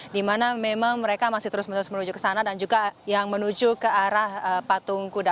di mana memang mereka masih terus menerus menuju ke sana dan juga yang menuju ke arah patung kuda